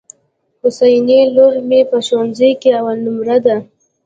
حسنی لور مي په ښوونځي کي اول نمبر ده.